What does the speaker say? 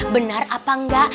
benar apa enggak